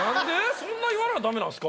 そんな言われなダメなんすか？